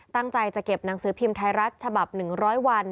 ตั้งใจจะเก็บหนังสือพิมพ์ไทยรัฐฉบับ๑๐๐วัน